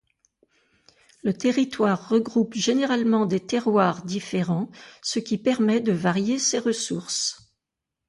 Le territoire regroupe généralement des terroirs différents, ce qui permet de varier ses ressources.